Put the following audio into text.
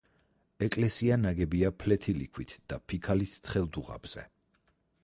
ეკლესია ნაგებია ფლეთილი ქვით და ფიქალით თხელ დუღაბზე.